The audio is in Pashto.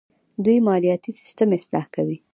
دوی مالیاتي سیستم اصلاح کوي.